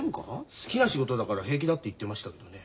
好きな仕事だから平気だって言ってましたけどね。